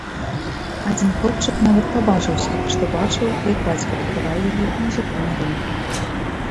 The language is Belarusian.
Адзін хлопчык нават пабажыўся, што бачыў, як бацька прадаваў яе мужыку на рынку.